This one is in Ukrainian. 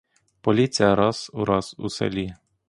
Поліція раз у раз у селі.